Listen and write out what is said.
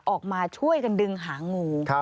ออกมาช่วยกันดึงหางู